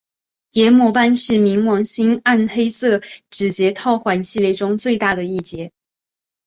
炎魔斑是冥王星暗黑色指节套环系列中最大的一节。